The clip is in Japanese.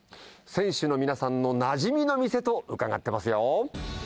選手の皆さんのなじみの店と伺っ